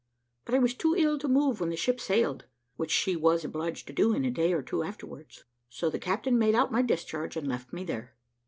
But I was too ill to move when the ship sailed, which she was obliged to do in a day or two afterwards, so the captain made out my discharge, and left me there.